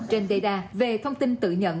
trên data về thông tin tự nhận